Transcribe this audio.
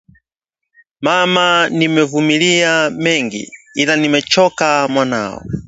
"Mama nimevumilia mengi ila nimechoka mwanao